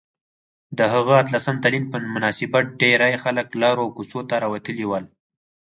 د هغه اتلسم تلین په مناسبت ډیرۍ خلک لارو او کوڅو ته راوتلي ول